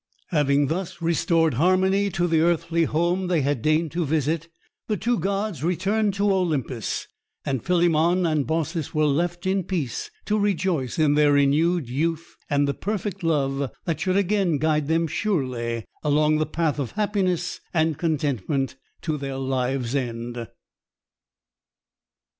Having thus restored harmony to the earthly home they had deigned to visit, the two gods returned to Olympus; and Philemon and Baucis were left in peace to rejoice in their renewed youth and the perfect love that should again guide them surely along the path of happiness and contentment to their lives' end!